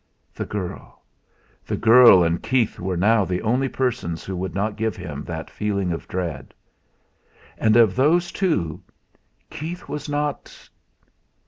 The girl the girl and Keith were now the only persons who would not give him that feeling of dread. And, of those two Keith was not...!